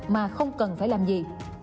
mà không cần phải làm gì